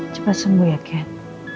cepet sembuh ya ken